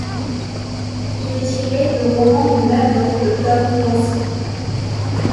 Il est tiré du roman du même nom de Tom Clancy.